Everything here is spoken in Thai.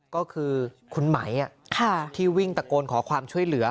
ก็คือคุณไหมที่วิ่งตะโกนขอความช่วยเหลือ